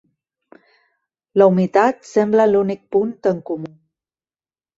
La humitat sembla l'únic punt en comú.